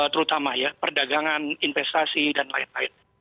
terutama ya perdagangan investasi dan lain lain